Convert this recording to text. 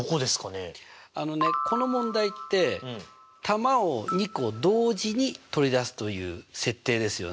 あのねこの問題って球を２個同時に取り出すという設定ですよね。